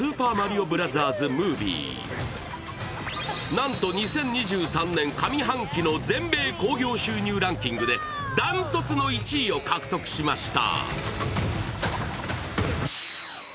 なんと２０２３年上半期の全米興行収入ランキングで断トツの１位を獲得しました。